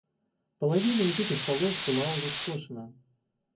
Половина из этих полос была уже скошена.